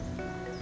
dan hutan musim